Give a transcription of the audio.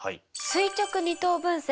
垂直二等分線。